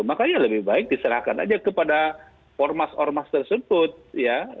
makanya lebih baik diserahkan saja kepada formas formas tersebut ya